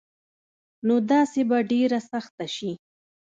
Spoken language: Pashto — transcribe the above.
نو داسي به ډيره سخته شي